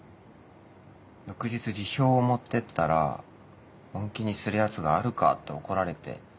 翌日辞表を持ってったら本気にするやつがあるかって怒られて。